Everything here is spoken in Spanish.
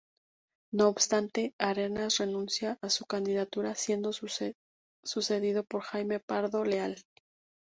No obstante, Arenas renuncia a su candidatura siendo sucedido por Jaime Pardo Leal.